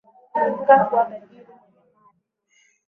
Nataka kuwa tajiri mwenye mali